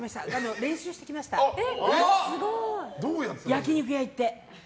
焼き肉屋に行って。